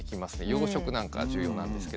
養殖なんかは重要なんですけど。